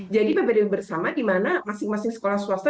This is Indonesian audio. jadi pbdb bersama di mana masing masing sekolah swasta